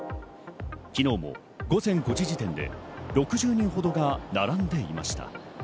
昨日も午前５時時点で６０人ほどが並んでいました。